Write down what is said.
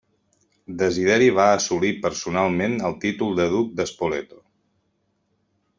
Desideri va assolir personalment el títol de duc de Spoleto.